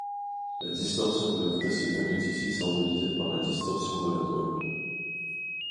La distorsion gravitationnelle est ici symbolisée par la distorsion de la toile.